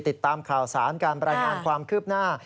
ติดตามคราวศาลการประงานความคืบหน้า